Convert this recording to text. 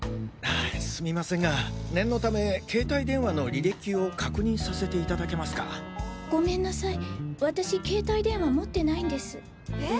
すみませんが念のため携帯電話の履歴を確認させて頂けますか？ごめんなさい私携帯電話持ってないんです。え？